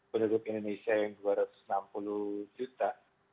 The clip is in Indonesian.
penduduk indonesia yang dua ratus enam puluh juta